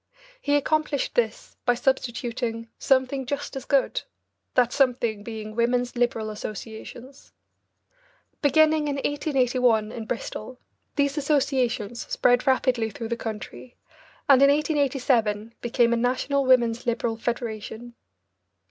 He accomplished this by substituting "something just as good," that something being Women's Liberal Associations. Beginning in 1881 in Bristol, these associations spread rapidly through the country and, in 1887, became a National Women's Liberal Federation.